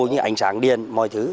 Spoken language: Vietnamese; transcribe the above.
như ảnh sáng điện mọi thứ